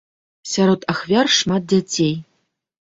Сярод ахвяр шмат дзяцей.